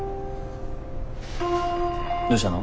どうしたの？